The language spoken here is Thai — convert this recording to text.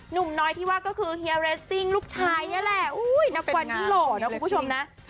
หนุ่มน้อยที่ว่าก็คือเฮียเรซซิ่งลูกชายนี่แหละ